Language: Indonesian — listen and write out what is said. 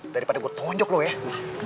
daripada gua tonjok lu ya